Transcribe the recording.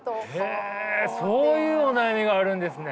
へえそういうお悩みがあるんですね。